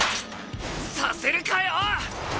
させるかよ！